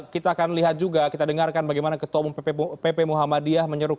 kita akan lihat juga kita dengarkan bagaimana ketua umum pp muhammadiyah